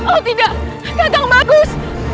oh tidak katam bagus